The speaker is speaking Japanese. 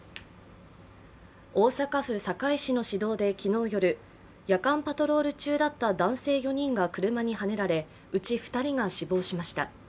大阪府堺市の市道で昨日夜、夜間パトロール中だった男性４人が車にはねられうち２人が死亡しました。